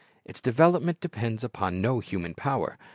Its development depends upon no human power.